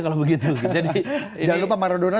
kalau begitu jadi jangan lupa maradona